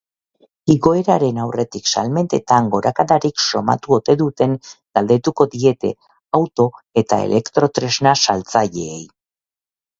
Igoeraren aurretik salmentetan gorakadarik somatu ote duten galdetuko diete auto eta elektrotresna saltzaileei.